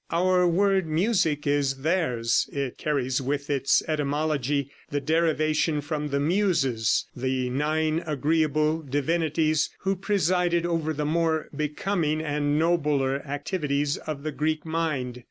Our word "music" is theirs; it carries within its etymology the derivation from the Muses, the nine agreeable divinities who presided over the more becoming and nobler activities of the Greek mind.